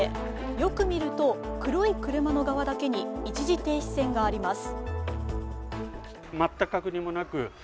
よく見ると、黒い車の側だけに一時停止線があります。